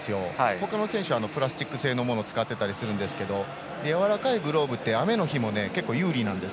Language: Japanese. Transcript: ほかの選手はプラスチック製のものを使ったりしますがやわらかいグローブって雨の日も結構、有利なんです。